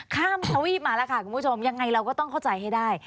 ทวีปมาแล้วค่ะคุณผู้ชมยังไงเราก็ต้องเข้าใจให้ได้